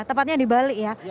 dapatnya di bali ya